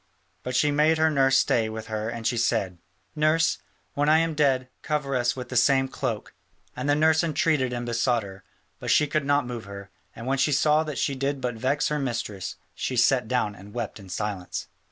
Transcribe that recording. But she made her nurse stay with her and she said: "Nurse, when I am dead, cover us with the same cloak." And the nurse entreated and besought her, but she could not move her, and when she saw that she did but vex her mistress, she sat down and wept in silence.